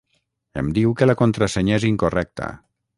Em diu que la contrasenya és incorrecta.